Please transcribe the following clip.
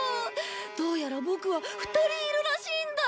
どうやらボクは２人いるらしいんだ！